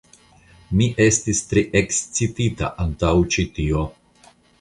Mi estis tre ekscitita antaŭ ĉi tio.